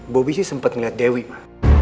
bobi sih sempet ngeliat dewi ma